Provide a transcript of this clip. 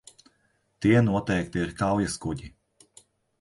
Tie noteikti ir kaujaskuģi.